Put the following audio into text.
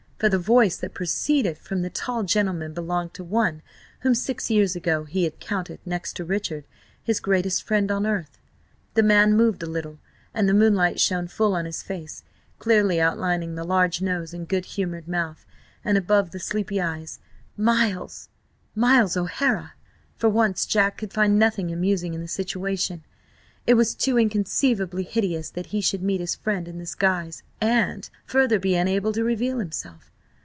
For the voice that proceeded from the tall gentleman belonged to one whom, six years ago, he had counted, next to Richard, his greatest friend on earth. The man moved a little, and the moonlight shone full on his face, clearly outlining the large nose and good humoured mouth, and above, the sleepy grey eyes. Miles! Miles O'Hara! For once Jack could find nothing amusing in the situation. It was too inconceivably hideous that he should meet his friend in this guise, and, further, be unable to reveal himself.